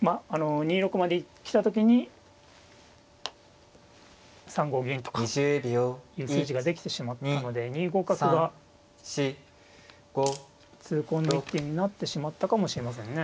まあ２六まで来た時に３五銀とかいう筋ができてしまったので２五角が痛恨の一手になってしまったかもしれませんね。